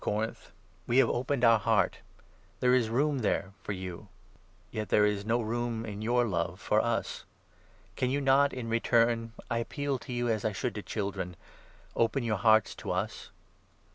Corinth ; we have opened our heart; there is 12 room there for you, yet there is not room, in your love, for us. Can you not in return — I appeal to you as I should to children — 13 open your hearts to us